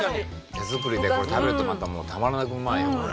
手作りでこれ食べるとまたもうたまらなくうまいよこれ。